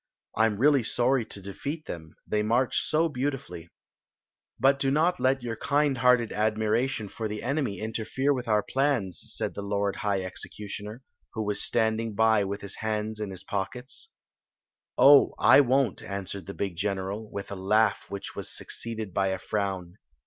" I 'm really sorry to defat Aeai, ^ mmch so beautifully." I70 Queen Zixi of Ix; or, the " But do not let your kind hearted admiration for the enemy interfere with our plans," said the lord high executioner, who was standing by with his hands in his pockets. "Oh, I won't!" answered the big general, with a laugh which was succeeded by a frown.